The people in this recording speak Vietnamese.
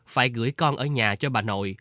phải gửi con ở nhà cho bà nội